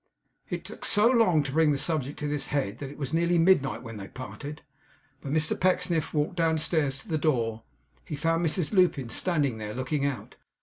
It took so long to bring the subject to this head, that it was nearly midnight when they parted. When Mr Pecksniff walked downstairs to the door, he found Mrs Lupin standing there, looking out.